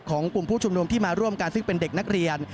กลุ่มผู้ชุมนุมที่มาร่วมกันซึ่งเป็นเด็กนักเรียน